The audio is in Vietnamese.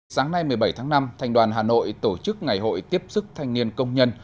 sáng nay một mươi bảy tháng năm thành đoàn hà nội tổ chức ngày hội tiếp sức thanh niên công nhân